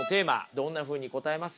どんなふうに答えます？